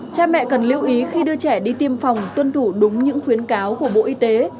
cha mẹ cần lưu ý khi đưa trẻ đi tiêm phòng tuân thủ đúng những khuyến cáo của bộ y tế